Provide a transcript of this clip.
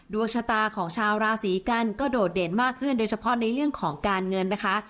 ดวงชะตาของชาวราศีกันก็โดดเด่นมากขึ้นโดยเฉพาะในเรื่องของการเงินนะคะ